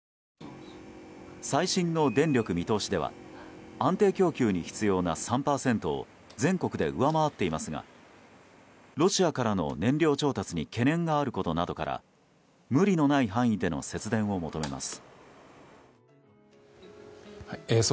最新の電力見通しでは安定供給に必要な３％を全国で上回っていますがロシアからの燃料調達に懸念があることなどから無理のない範囲での節電を求めます。